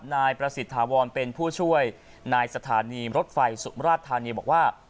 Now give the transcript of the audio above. นายประสิทธาวรเป็นผู้ช่วยนายสถานีรถไฟสุมราชธานีบอกว่า